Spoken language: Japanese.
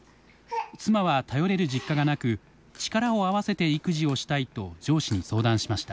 妻は頼れる実家がなく力を合わせて育児をしたいと上司に相談しました。